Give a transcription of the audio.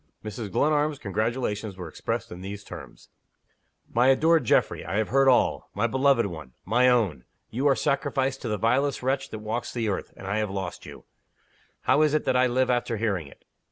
Mrs. Glenarm's congratulations were expressed in these terms: "MY ADORED GEOFFREY, I have heard all. My beloved one! my own! you are sacrificed to the vilest wretch that walks the earth, and I have lost you! How is it that I live after hearing it?